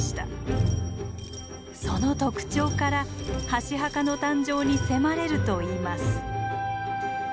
その特徴から箸墓の誕生に迫れるといいます。